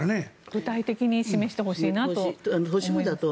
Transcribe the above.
具体的に示してほしいなと。